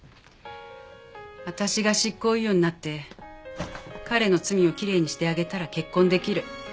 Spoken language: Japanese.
私が執行猶予になって彼の罪をきれいにしてあげたら結婚できる。